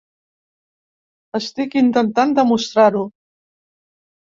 Estic intentant demostrar-ho.